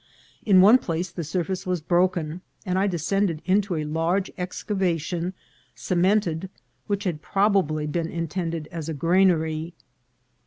In one place the surface was broken, and I descended into a large excavation, cemented, which had probably been intended as a granary.